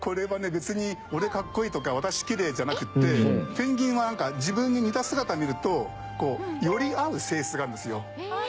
別に「俺かっこいい」とか「私きれい」じゃなくてペンギンは自分に似た姿を見ると寄り合う性質があるんですよ。